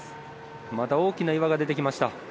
また、大きな岩が出てきました。